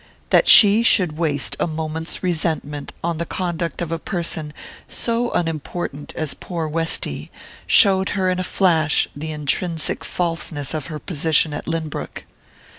That she should waste a moment's resentment on the conduct of a person so unimportant as poor Westy, showed her in a flash the intrinsic falseness of her position at Lynbrook.